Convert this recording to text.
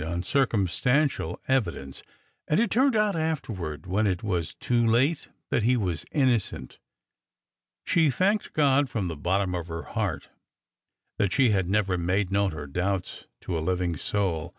— on circumstantial evidence, and it had turned out after ward, when it was too late, that he was innocent. She thanked God from the bottom of her heart that she had never made known her doubts to a living soul.